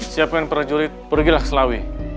siapkan para jurid pergilah ke selawi